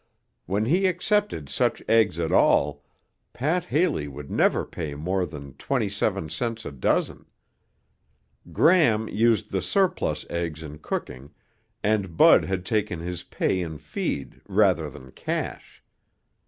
When he accepted such eggs at all, Pat Haley would never pay more than twenty seven cents a dozen. Gram used the surplus eggs in cooking, and Bud had taken his pay in feed rather than cash.